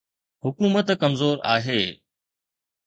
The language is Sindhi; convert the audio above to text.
حڪومت ڪمزور آهي.